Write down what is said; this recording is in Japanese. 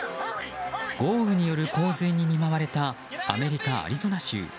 豪雨による洪水に見舞われたアメリカ・アリゾナ州。